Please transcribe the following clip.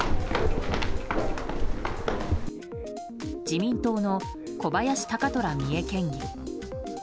自民党の小林貴虎三重県議。